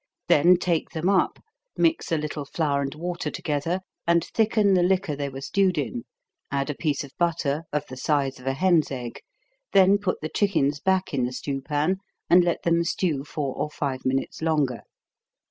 Then take them up, mix a little flour and water together, and thicken the liquor they were stewed in, add a piece of butter of the size of a hen's egg, then put the chickens back in the stew pan, and let them stew four or five minutes longer.